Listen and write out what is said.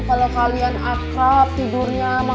kalau kalian akrab tidurnya